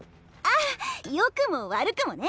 あよくも悪くもね。